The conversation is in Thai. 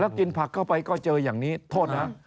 กินผักเข้าไปก็เจออย่างนี้โทษนะ